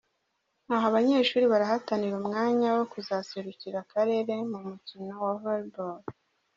Aha abanyeshuri barahatanira umwanya wo kuzaserukira akarere mu mukino wa volleyball.